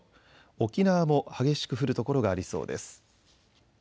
沖縄も激しく降る所がありそうです。